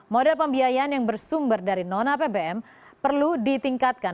modal pembiayaan yang bersumber dari non apbn perlu ditingkatkan